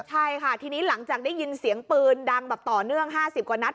ใช่ค่ะทีนี้หลังจากได้ยินเสียงปืนดังแบบต่อเนื่อง๕๐กว่านัด